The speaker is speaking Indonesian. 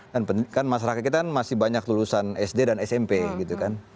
dan pendidikan masyarakat kita kan masih banyak lulusan sd dan smp gitu kan